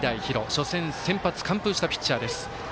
初戦、完封したピッチャーです。